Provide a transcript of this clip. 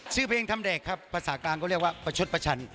ชื่อเพลงทำแดกครับภาษากลางก็เรียกว่าประชดประชัน